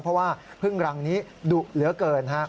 เพราะว่าพึ่งรังนี้ดุเหลือเกินฮะ